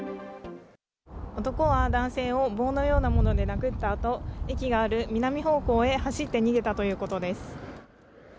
男は男性を棒のようなもので殴ったあと、駅がある南方向へ走って逃げたということです。